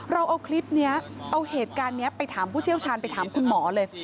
เราเอาคลิปนี้เอาเหตุการณ์นี้ไปถามผู้เชี่ยวชาญไปถามคุณหมอเลย